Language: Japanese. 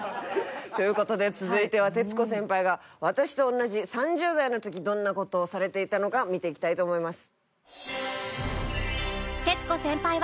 という事で続いては徹子先輩が私と同じ３０代の時どんな事をされていたのか見ていきたいと思います。